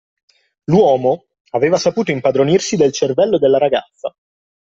L'uomo, aveva saputo impadronirsi del cervello della ragazza.